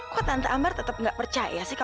kok tante ambar tetep gak percaya sih kak